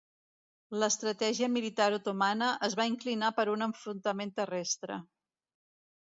L'estratègia militar otomana es va inclinar per un enfrontament terrestre.